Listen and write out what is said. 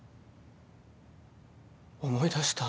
思い出した。